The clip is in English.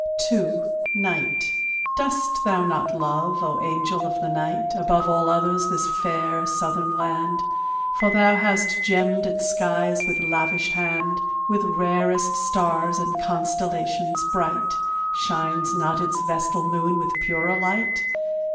II. NIGHT. Dost thou not love, O angel of the night, Above all others this fair southern land? For thou hast gemmed its skies with lavish hand, With rarest stars and constellations bright. Shines not its vestal moon with purer light?